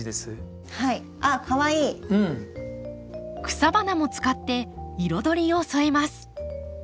草花も使って彩りを添えます。